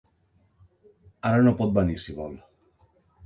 Ara no pot venir, si vol.